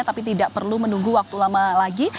tapi tidak perlu menunggu waktu lama lagi